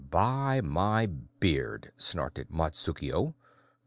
"By my beard!" snorted Matsukuo.